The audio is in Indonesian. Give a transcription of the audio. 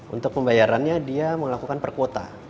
untuk pembayarannya dia melakukan per kuota